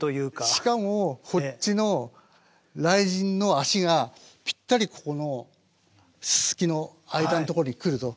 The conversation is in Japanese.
しかもこっちの雷神の脚がピッタリここのススキの間のところに来ると。